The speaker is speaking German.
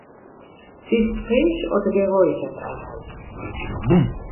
Sie ist frisch oder geräuchert erhältlich.